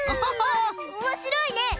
おもしろいね！